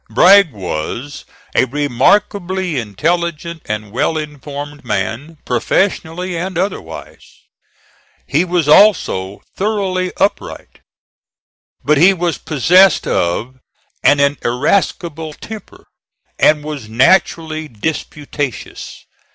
Bragg was a remarkably intelligent and well informed man, professionally and otherwise. He was also thoroughly upright. But he was possessed of an irascible temper, and was naturally disputatious.